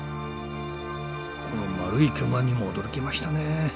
この丸い巨岩にも驚きましたね。